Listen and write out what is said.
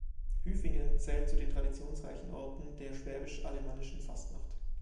Hüfingen zählt zu den traditionsreichen Orten der Schwäbisch-Alemannischen Fastnacht.